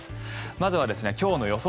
まずは今日の予想